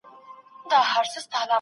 ځوانانو انګلیسي ژبه په مینه زده کوله.